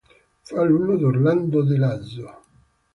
Fue alumno de Orlando di Lasso.